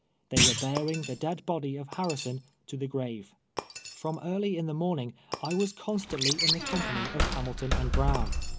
They were bearing the dead body of Harrison to the grave. From early in the morning, I was constantly in the company of Hamilton and Brown.